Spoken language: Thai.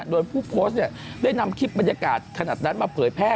โดยผู้โพสต์ได้นำคลิปบรรยากาศขนาดนั้นมาเผยแพร่